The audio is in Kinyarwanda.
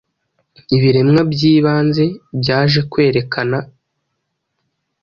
Ibiremwa byibanze byajekwerekana